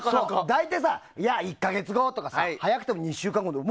大体１か月ごとか早くても２週間後とか。